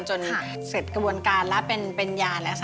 จนเสร็จกระบวนการแล้วเป็นยา